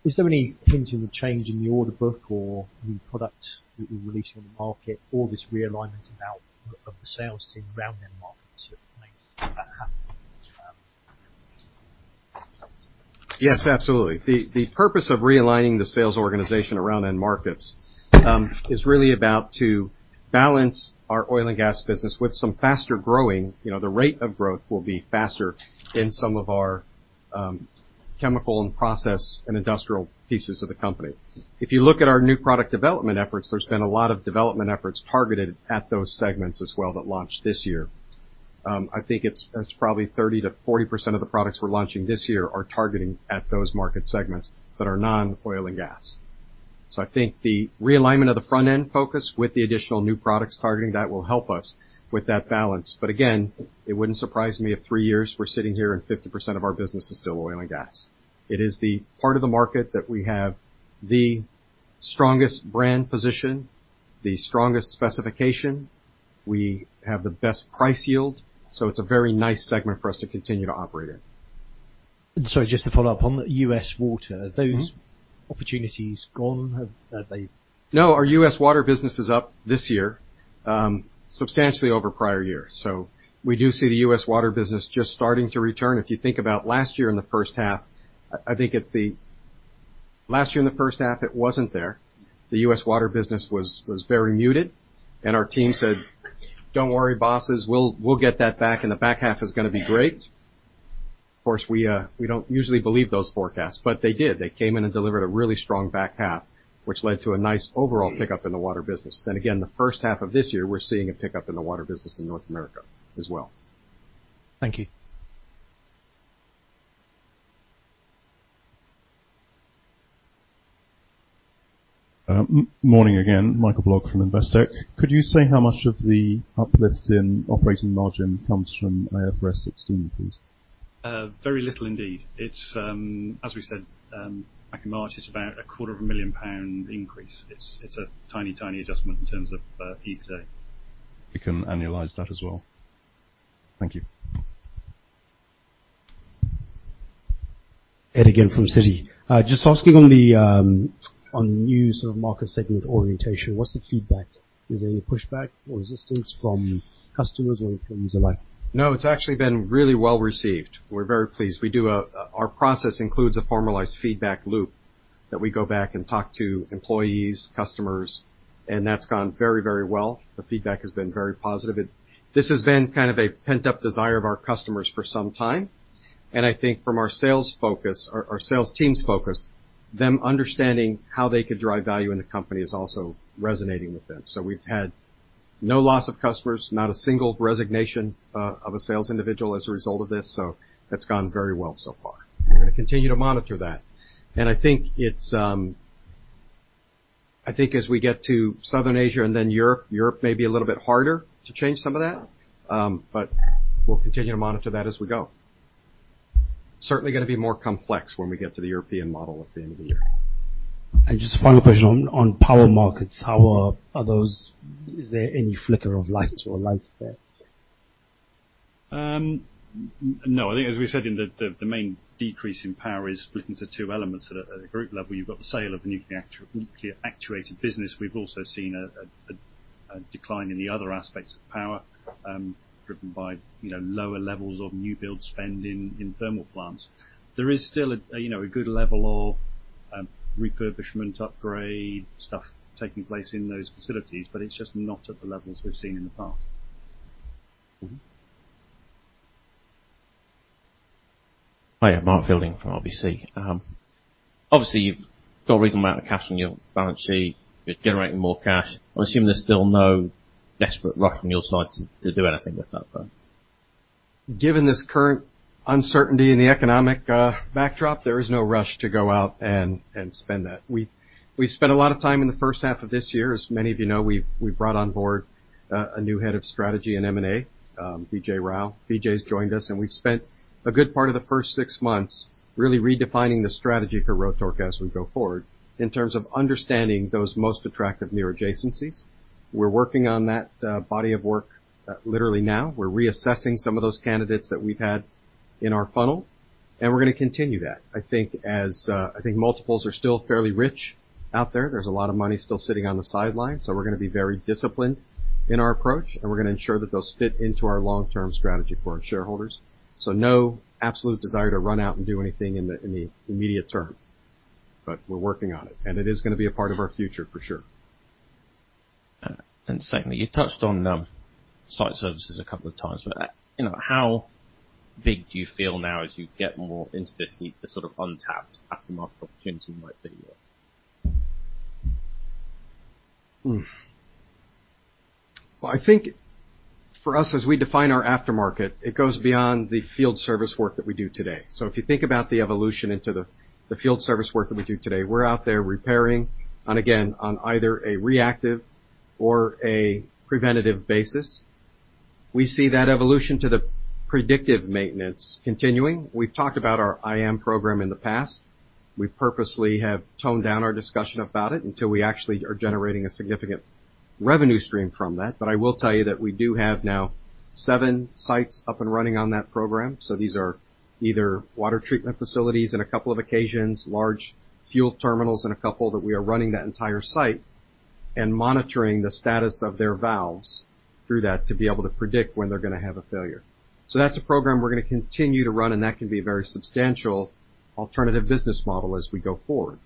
Is there any hint in the change in the order book or new product that you're releasing in the market or this realignment about of the sales team around end markets that makes that happen? Yes, absolutely. The purpose of realigning the sales organization around end markets is really about to balance our oil and gas business with some faster-growing. The rate of growth will be faster than some of our chemical and process and industrial pieces of the company. If you look at our new product development efforts, there's been a lot of development efforts targeted at those segments as well that launched this year. I think it's probably 30%-40% of the products we're launching this year are targeting at those market segments that are non-oil and gas. I think the realignment of the front-end focus with the additional new products targeting that will help us with that balance. Again, it wouldn't surprise me if three years we're sitting here and 50% of our business is still oil and gas. It is the part of the market that we have the strongest brand position, the strongest specification. We have the best price yield. It's a very nice segment for us to continue to operate in. Just to follow up on the U.S. water- Are those opportunities gone? No, our U.S. water business is up this year, substantially over prior years. We do see the U.S. water business just starting to return. If you think about last year in the first half, it wasn't there. The U.S. water business was very muted and our team said, "Don't worry bosses, we'll get that back and the back half is going to be great." Of course, we don't usually believe those forecasts, but they did. They came in and delivered a really strong back half, which led to a nice overall pickup in the water business. Again, the first half of this year, we're seeing a pickup in the water business in North America as well. Thank you. Morning again, Michael Bloggs from Investec. Could you say how much of the uplift in operating margin comes from IFRS 16, please? Very little indeed. It's as we said back in March, it's about a quarter of a million pound increase. It's a tiny adjustment in terms of EPSA. You can annualize that as well. Thank you. Ed again from Citi. Just asking on the new sort of market segment orientation, what's the feedback? Is there any pushback or resistance from customers or employees alike? No, it's actually been really well received. We're very pleased. Our process includes a formalized feedback loop that we go back and talk to employees, customers, and that's gone very well. The feedback has been very positive. This has been kind of a pent-up desire of our customers for some time. I think from our sales focus, our sales team's focus, them understanding how they could drive value in the company is also resonating with them. We've had no loss of customers, not a single resignation of a sales individual as a result of this. That's gone very well so far. We're going to continue to monitor that. I think as we get to Southern Asia and then Europe may be a little bit harder to change some of that. We'll continue to monitor that as we go. Certainly going to be more complex when we get to the European model at the end of the year. Just a final question on power markets. Is there any flicker of light or life there? No, I think as we said, the main decrease in power is split into 2 elements at a group level. You've got the sale of the nuclear-actuated business. We've also seen a decline in the other aspects of power, driven by lower levels of new build spend in thermal plants. There is still a good level of refurbishment upgrade stuff taking place in those facilities, but it's just not at the levels we've seen in the past. Hi. Mark Fielding from RBC. You've got a reasonable amount of cash in your balance sheet. You're generating more cash. I assume there's still no desperate rush on your side to do anything with that sum. Given this current uncertainty in the economic backdrop, there is no rush to go out and spend that. We spent a lot of time in the first half of this year, as many of you know, we've brought on board a new head of strategy in M&A, Vijay Rao. Vijay's joined us. We've spent a good part of the first six months really redefining the strategy for Rotork as we go forward in terms of understanding those most attractive near adjacencies. We're working on that body of work literally now. We're reassessing some of those candidates that we've had in our funnel. We're going to continue that. I think multiples are still fairly rich out there. There's a lot of money still sitting on the sidelines. We're going to be very disciplined in our approach, and we're going to ensure that those fit into our long-term strategy for our shareholders. No absolute desire to run out and do anything in the immediate term. We're working on it, and it is going to be a part of our future for sure. Secondly, you touched on site services a couple of times. How big do you feel now as you get more into this sort of untapped aftermarket opportunity might be? I think for us, as we define our aftermarket, it goes beyond the field service work that we do today. If you think about the evolution into the field service work that we do today, we're out there repairing on, again, on either a reactive or a preventive basis. We see that evolution to the predictive maintenance continuing. We've talked about our IM program in the past. We purposely have toned down our discussion about it until we actually are generating a significant revenue stream from that. I will tell you that we do have now seven sites up and running on that program. These are either water treatment facilities in a couple of occasions, large fuel terminals in a couple that we are running that entire site and monitoring the status of their valves through that to be able to predict when they're going to have a failure. That's a program we're going to continue to run, and that can be a very substantial alternative business model as we go forward.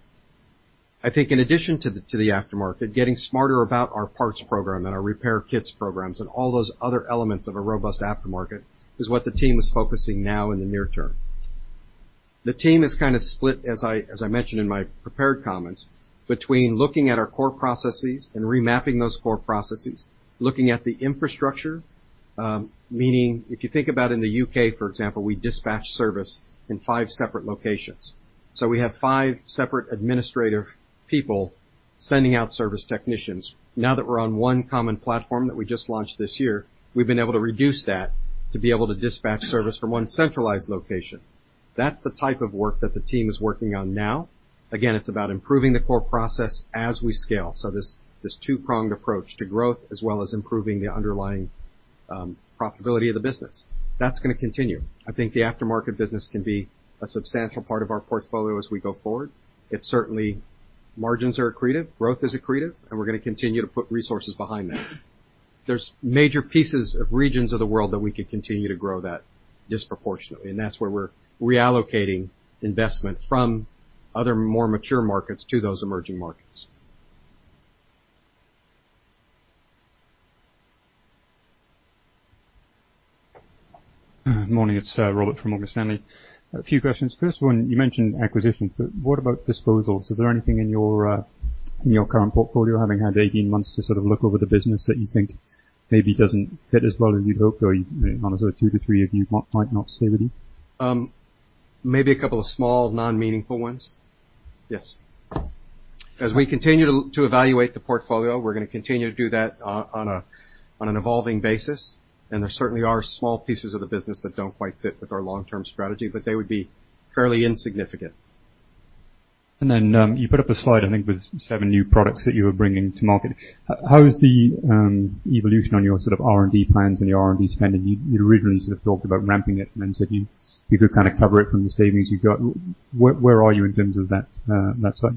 I think in addition to the aftermarket, getting smarter about our parts program and our repair kits programs and all those other elements of a robust aftermarket is what the team is focusing now in the near term. The team is kind of split, as I mentioned in my prepared comments, between looking at our core processes and remapping those core processes, looking at the infrastructure. Meaning, if you think about in the U.K., for example, we dispatch service in five separate locations. We have five separate administrative people sending out service technicians. Now that we're on one common platform that we just launched this year, we've been able to reduce that to be able to dispatch service from one centralized location. That's the type of work that the team is working on now. Again, it's about improving the core process as we scale. This two-pronged approach to growth as well as improving the underlying profitability of the business. That's going to continue. I think the aftermarket business can be a substantial part of our portfolio as we go forward. Certainly margins are accretive, growth is accretive, and we're going to continue to put resources behind that. There's major pieces of regions of the world that we could continue to grow that disproportionately, and that's where we're reallocating investment from other more mature markets to those emerging markets. Morning, it's Robert from Morgan Stanley. A few questions. First one, you mentioned acquisitions, but what about disposals? Is there anything in your current portfolio, having had 18 months to sort of look over the business that you think maybe doesn't fit as well as you'd hoped or another two to three of you might not stay with you? Maybe a couple of small non-meaningful ones. Yes. As we continue to evaluate the portfolio, we're going to continue to do that on an evolving basis. There certainly are small pieces of the business that don't quite fit with our long-term strategy. They would be fairly insignificant. Then, you put up a slide, I think it was seven new products that you were bringing to market. How is the evolution on your R&D plans and your R&D spending? You'd originally sort of talked about ramping it and then said you could kind of cover it from the savings you've got. Where are you in terms of that slide?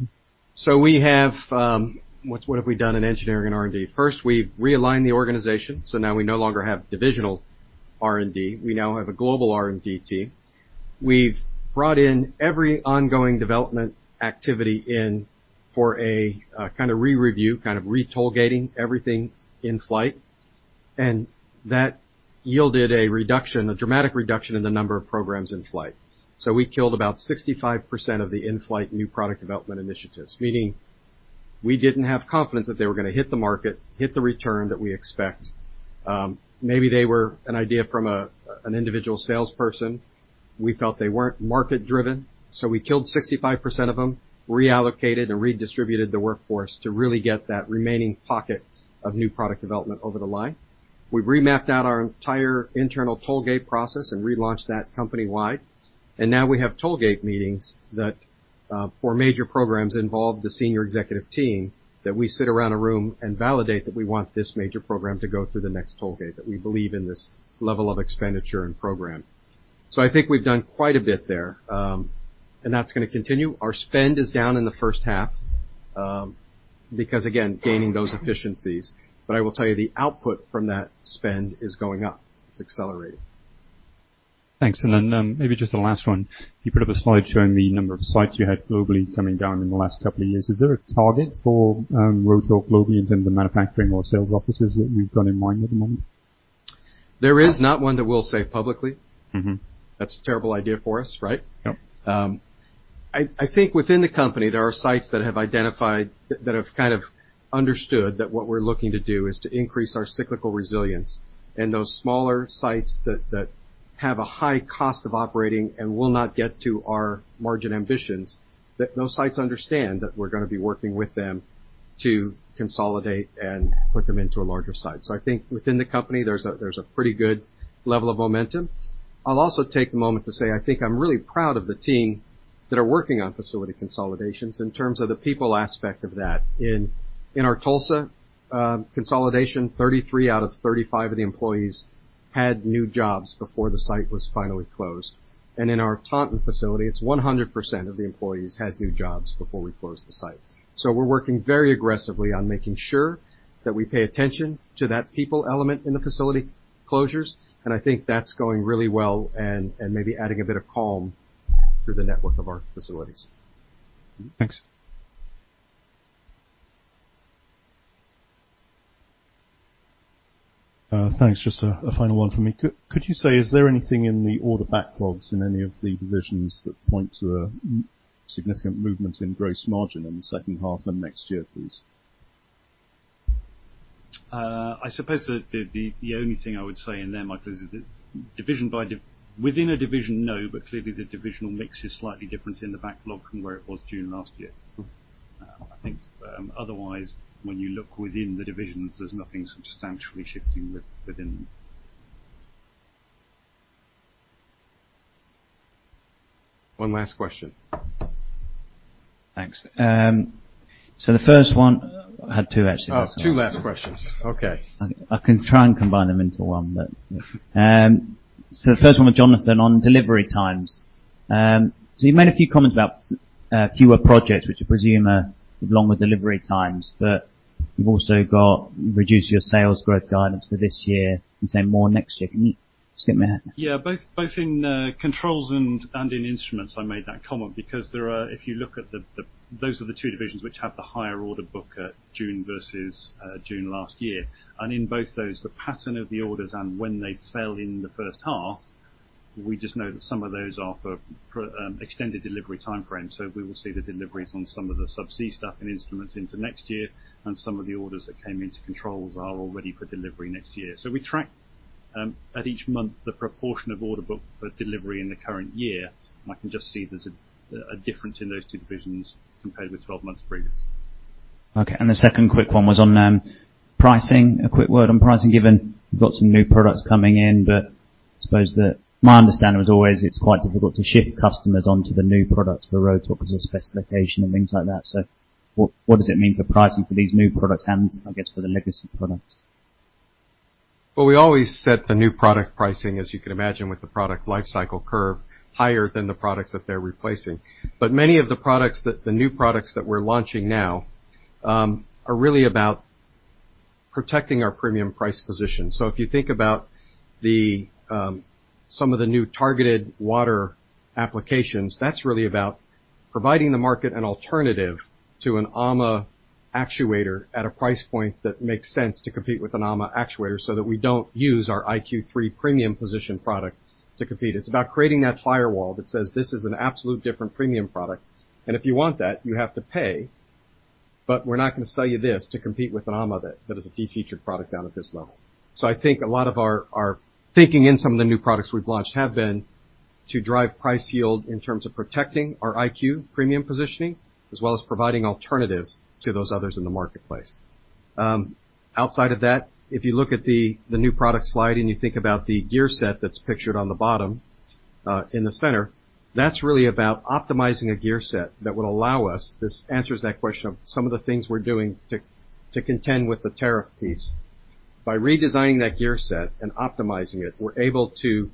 What have we done in engineering and R&D? We've realigned the organization, now we no longer have divisional R&D. We now have a global R&D team. We've brought in every ongoing development activity in for a kind of re-review, kind of re-tollgating everything in flight. That yielded a reduction, a dramatic reduction in the number of programs in flight. We killed about 65% of the in-flight new product development initiatives, meaning we didn't have confidence that they were going to hit the market, hit the return that we expect. Maybe they were an idea from an individual salesperson. We felt they weren't market-driven, we killed 65% of them, reallocated and redistributed the workforce to really get that remaining pocket of new product development over the line. We remapped out our entire internal tollgate process and relaunched that company-wide. Now we have tollgate meetings that for major programs involve the senior executive team, that we sit around a room and validate that we want this major program to go through the next tollgate, that we believe in this level of expenditure and program. I think we've done quite a bit there, and that's going to continue. Our spend is down in the first half, because again, gaining those efficiencies. I will tell you, the output from that spend is going up. It's accelerating. Thanks. Maybe just the last one. You put up a slide showing the number of sites you had globally coming down in the last couple of years. Is there a target for Rotork globally in terms of manufacturing or sales offices that you've got in mind at the moment? There is not one that we'll say publicly. That's a terrible idea for us, right? Yep. I think within the company, there are sites that have identified that have kind of understood that what we're looking to do is to increase our cyclical resilience. Those smaller sites that have a high cost of operating and will not get to our margin ambitions, that those sites understand that we're going to be working with them to consolidate and put them into a larger site. I think within the company, there's a pretty good level of momentum. I'll also take a moment to say I think I'm really proud of the team that are working on facility consolidations in terms of the people aspect of that. In our Tulsa consolidation, 33 out of 35 of the employees had new jobs before the site was finally closed. In our Taunton facility, it's 100% of the employees had new jobs before we closed the site. We're working very aggressively on making sure that we pay attention to that people element in the facility closures, and I think that's going really well and maybe adding a bit of calm through the network of our facilities. Thanks. Thanks. Just a final one from me. Could you say, is there anything in the order backlogs in any of the divisions that point to a significant movement in gross margin in the second half and next year, please? I suppose the only thing I would say in there, Michael, is that within a division, no, but clearly the divisional mix is slightly different in the backlog from where it was June last year. I think otherwise, when you look within the divisions, there's nothing substantially shifting within them. One last question. Thanks. The first one, I had two, actually. Oh, two last questions. Okay. I can try and combine them into one, but. Yeah. The first one with Jonathan on delivery times. You made a few comments about fewer projects, which I presume are longer delivery times, but you've also got reduced your sales growth guidance for this year and saying more next year. Can you just give me a hand? Yeah. Both in controls and in instruments I made that comment because there are, if you look at the. Those are the two divisions which have the higher order book at June versus June last year. In both those, the pattern of the orders and when they fell in the first half, we just know that some of those are for extended delivery time frames. We will see the deliveries on some of the Subsea stuff and instruments into next year. Some of the orders that came into controls are already for delivery next year. We track at each month the proportion of order book for delivery in the current year. I can just see there's a difference in those two divisions compared with 12 months previous. Okay. The second quick one was on pricing. A quick word on pricing, given you've got some new products coming in, but I suppose that my understanding was always it's quite difficult to shift customers onto the new products for Rotork as a specification and things like that. What does it mean for pricing for these new products and I guess for the legacy products? We always set the new product pricing, as you can imagine, with the product life cycle curve higher than the products that they're replacing. Many of the new products that we're launching now are really about protecting our premium price position. If you think about some of the new targeted water applications, that's really about providing the market an alternative to an AUMA actuator at a price point that makes sense to compete with an AUMA actuator so that we don't use our IQ3 premium position product to compete. It's about creating that firewall that says this is an absolute different premium product, and if you want that, you have to pay, but we're not going to sell you this to compete with an AUMA that is a de-featured product down at this level. I think a lot of our thinking in some of the new products we've launched have been to drive price yield in terms of protecting our IQ premium positioning, as well as providing alternatives to those others in the marketplace. Outside of that, if you look at the new product slide and you think about the gear set that's pictured on the bottom in the center, that's really about optimizing a gear set that would allow us, this answers that question of some of the things we're doing to contend with the tariff piece. By redesigning that gear set and optimizing it, we're able to,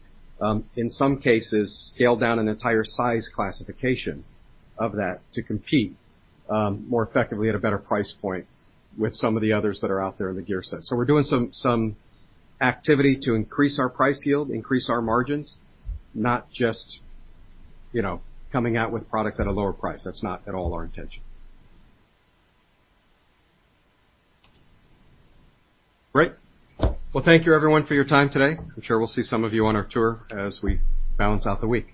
in some cases, scale down an entire size classification of that to compete more effectively at a better price point with some of the others that are out there in the gear set. We're doing some activity to increase our price yield, increase our margins, not just coming out with products at a lower price. That's not at all our intention. Great. Well, thank you everyone for your time today. I'm sure we'll see some of you on our tour as we balance out the week.